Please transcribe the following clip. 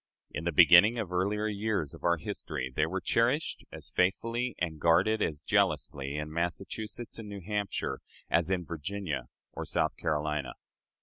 In the beginning and earlier years of our history they were cherished as faithfully and guarded as jealously in Massachusetts and New Hampshire as in Virginia or South Carolina.